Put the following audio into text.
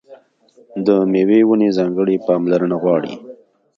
د مېوې ونې ځانګړې پاملرنه غواړي.